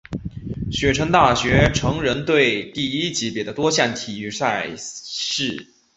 雪城大学橙人队第一级别的多项体育赛事。